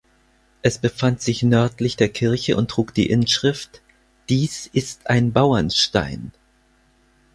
Es befand sich nördlich der Kirche und trug die Inschrift "Dies ist ein Bauernstein".